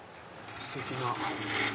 ステキな。